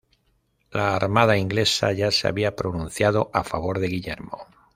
La armada inglesa ya se había pronunciado a favor de Guillermo.